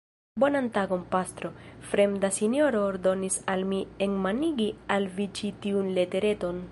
Bonan tagon, pastro; fremda sinjoro ordonis al mi enmanigi al vi ĉi tiun letereton.